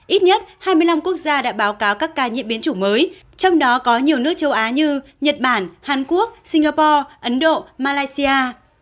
ít nhất hai mươi năm quốc gia đã báo cáo các ca nhiễm biến chủng mới trong đó có nhiều nước châu á như nhật bản hàn quốc singapore ấn độ malaysia